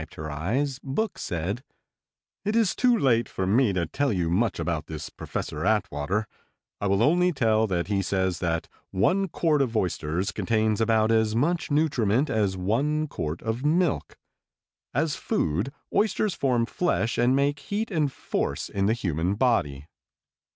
While Mrs. Oyster again wiped her eyes Book said, "It is too late for me to tell you much about this Prof. Atwater. I will only tell that he says that one quart of oysters contains about as much nutriment as one quart of milk. As food, oysters form flesh and make heat and force in the human body.